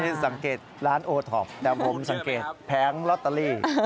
นี่สังเกตร้านโอท็อปแต่ผมสังเกตแผงลอตเตอรี่